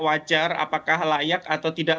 wajar apakah layak atau tidak